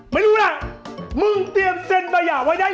ไม่รู้นะมึงเตรียมเส้นมัยาไว้ได้หน่อย